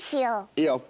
いいよ。